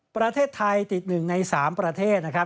ประเทศไทยติด๑ใน๓ประเทศนะครับ